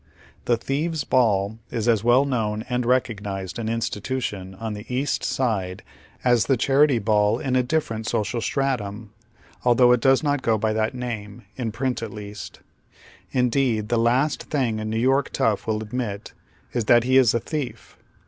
The " thieves' bal! " is as well known and recognized an institution on the East Side as the Charity Ball in a different social stratum, al though it does not go by that name, in print at least. oy Google THE HARVEST OF TARES. Indeed, the last thing a New York tough will admit is that he ie a thief.